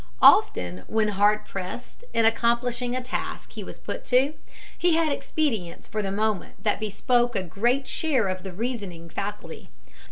Often, when hard pressed in accomplishing a task he was put to, he had expedients for the moment that bespoke a great share of the reasoning faculty.